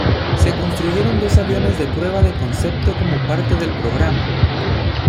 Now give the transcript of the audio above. Se construyeron dos aviones de prueba de concepto como parte del programa.